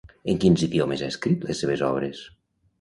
En quins idiomes ha escrit les seves obres?